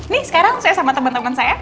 nih sekarang saya sama temen temen saya